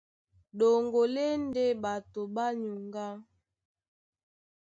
Ɗoŋgo lá e ndé ɓato ɓá nyuŋgá.